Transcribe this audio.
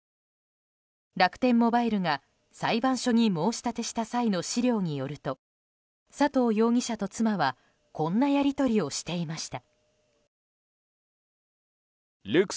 楽天モバイルが裁判所に申し立てした際の資料によると佐藤容疑者と妻はこんなやり取りをしていました。